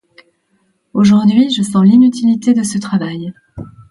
Aujourd’hui, je sens l’inutilité de ce travail.